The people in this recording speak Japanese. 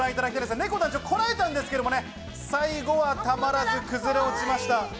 ねこ団長こらえたんですけれど、最後はたまらず崩れ落ちました。